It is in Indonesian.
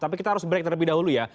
tapi kita harus break terlebih dahulu ya